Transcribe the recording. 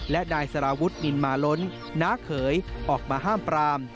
และนายสารวุฒินินมาล้นน้าเขยออกมาห้ามปราม